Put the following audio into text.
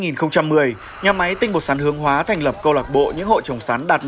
năm hai nghìn một mươi nhà máy tinh bột sắn hướng hóa thành lập câu lạc bộ những hộ trồng sắn đạt